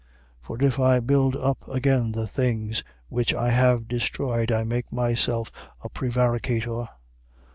2:18. For if I build up again the things which I have destroyed, I make myself a prevaricator.